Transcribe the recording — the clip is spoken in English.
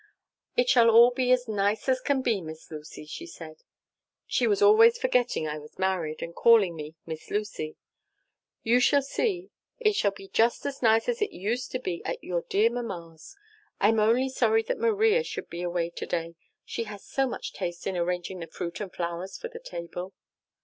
"'It shall all be as nice as can be, Miss Lucy,' she said. She was always forgetting I was married, and calling me 'Miss Lucy' 'You shall see it shall all be just as nice as it used to be at your dear Mamma's. I'm only sorry that Maria should be away to day, she has so much taste in arranging the fruit and flowers for the table.'